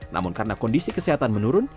namun karena kondisi kesehatan menurun